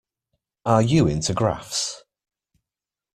Are you into graphs?